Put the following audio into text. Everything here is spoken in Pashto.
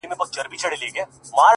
د کلي سپی یې ـ د کلي خان دی ـ